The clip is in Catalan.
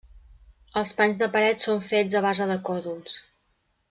Els panys de paret són fets a base de còdols.